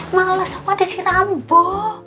males apa ada si rambo